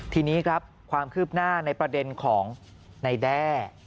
ทีนี้ครับความคืบหน้าในประเด็นของนายแด้